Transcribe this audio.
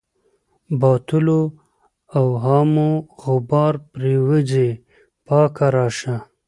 د باطلو اوهامو غبار پرېوځي پاکه راشه.